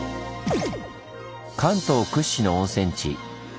関東屈指の温泉地